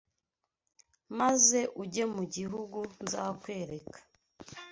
maze ujye mu gihugu nzakwereka